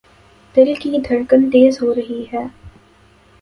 دل کی دھڑکن تیز ہوتی ہے